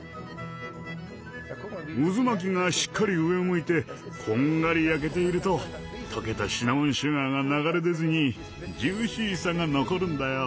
渦巻きがしっかり上を向いてこんがり焼けていると溶けたシナモンシュガーが流れ出ずにジューシーさが残るんだよ。